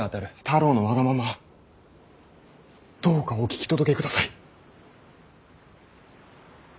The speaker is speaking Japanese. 太郎のわがままどうかお聞き届けください。